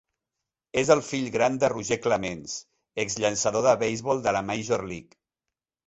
És el fill gran de Roger Clemens, ex llançador de beisbol de la Major League.